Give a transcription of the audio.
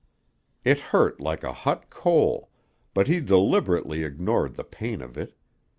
It hurt like a hot coal, but he deliberately ignored the pain of it.